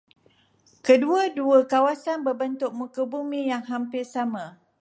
Kedua-dua kawasan berbentuk muka bumi yang hampir sama.